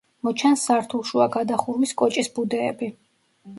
მოჩანს სართულშუა გადახურვის კოჭის ბუდეები.